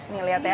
nih liat ya